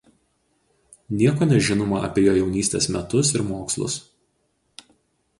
Nieko nežinoma apie jo jaunystės metus ir mokslus.